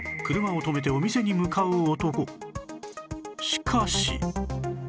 しかし